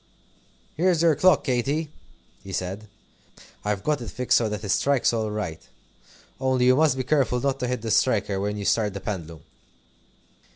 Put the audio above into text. "Here's your clock, Katy," he said. "I've got it fixed so that it strikes all right. Only you must be careful not to hit the striker when you start the pendulum."